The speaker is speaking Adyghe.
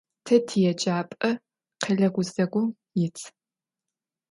Te tiêcap'e khele guzegum yit.